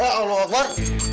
oh allah tuhan